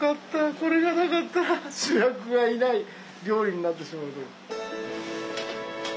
これがなかったら主役がいない料理になってしまうとこ。